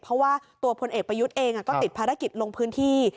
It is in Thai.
เพราะว่าตัวพลเอกประยุทธ์เองก็ติดภารกิจลงพื้นที่